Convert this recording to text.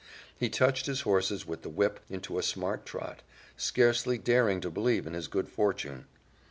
He touched his horses with the whip into a smart trot, scarcely daring to believe in his good fortune.